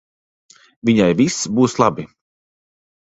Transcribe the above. Viņai viss būs labi.